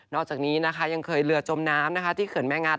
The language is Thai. นอกจากนี้นะคะยังเคยเหลือจมน้ำที่เขินแม่งัด